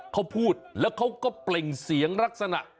เขาพูดแล้วเขาก็เปล่งเสียงลักษณะ